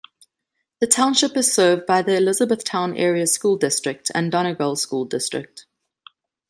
The township is served by the Elizabethtown Area School District and Donegal School District.